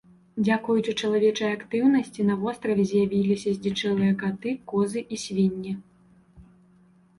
Дзякуючы чалавечай актыўнасці на востраве з'явіліся здзічэлыя каты, козы і свінні.